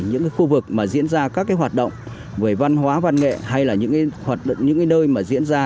những khu vực mà diễn ra các hoạt động về văn hóa văn nghệ hay là những nơi mà diễn ra